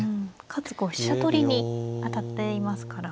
かつこう飛車取りに当たっていますから。